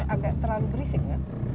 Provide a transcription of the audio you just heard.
agak terlalu berisik ya